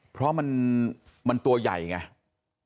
เพราะมันตัวใหญ่ไง